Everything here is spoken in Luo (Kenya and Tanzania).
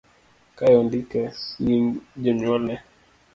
kae ondike nying' jonyuolne